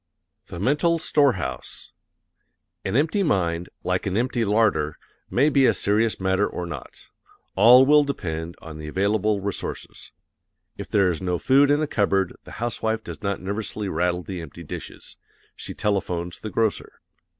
The Mental Storehouse An empty mind, like an empty larder, may be a serious matter or not all will depend on the available resources. If there is no food in the cupboard the housewife does not nervously rattle the empty dishes; she telephones the grocer.